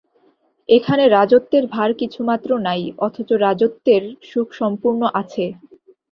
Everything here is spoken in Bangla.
এখানে রাজত্বের ভার কিছুমাত্র নাই, অথচ রাজত্বের সুখ সম্পূর্ণ আছে।